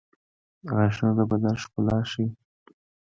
• غاښونه د بدن ښکلا ښيي.